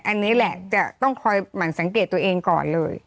อันนี้แหละจะต้องคอยหมั่นสังเกตตัวเองก่อนเลย